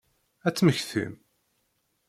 Ad temmektim?